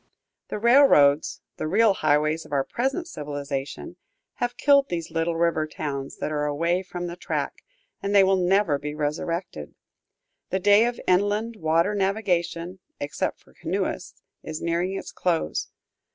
The railroads, the real highways of our present civilization, have killed these little river towns that are away from the track, and they will never be resurrected. The day of inland water navigation, except for canoeists, is nearing its close.